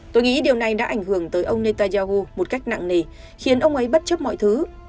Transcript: tôi nghĩ điều này đã ảnh hưởng tới ông netanyahu một cách nặng nề khiến ông ấy bất chấp mọi thứ